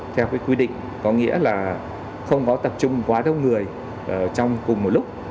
theo quy định có nghĩa là không có tập trung quá đông người trong cùng một lúc